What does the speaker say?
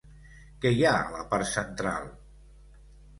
Què hi ha a la part central?